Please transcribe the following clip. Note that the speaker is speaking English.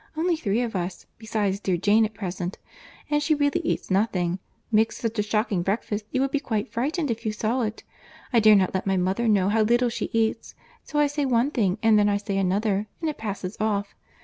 Only three of us.—besides dear Jane at present—and she really eats nothing—makes such a shocking breakfast, you would be quite frightened if you saw it. I dare not let my mother know how little she eats—so I say one thing and then I say another, and it passes off.